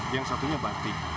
yang satunya batik